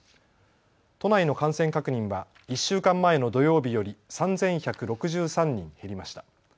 都内の感染確認は１週間前の土曜日より３１６３人減りました。